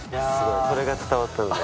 それが伝わったので。